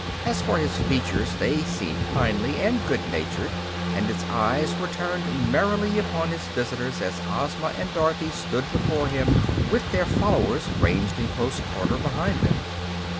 As for his features, they seemed kindly and good humored, and his eyes were turned merrily upon his visitors as Ozma and Dorothy stood before him with their followers ranged in close order behind them.